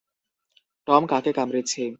Tom কাকে কামড়েছে?